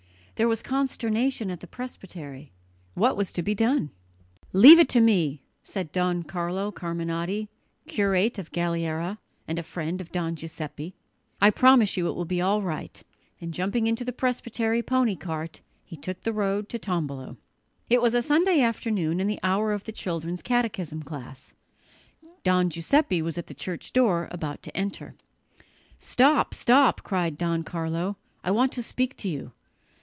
There was consternation at the presbytery. What was to be done? "Leave it to me," said Don Carlo Carminati, curate of Galliera and a friend of Don Giuseppe; "I promise you it will be all right," and jumping into the presbytery pony cart he took the road to Tombolo. It was a Sunday afternoon and the hour of the children's catechism class. Don Giuseppe was at the church door, about to enter. "Stop, stop," cried Don Carlo, "I want to speak to you."